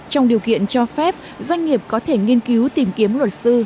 trong điều kiện cho phép doanh nghiệp có thể nghiên cứu tìm kiếm luật sư